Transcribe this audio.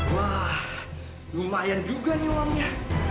wah lumayan juga nih uangnya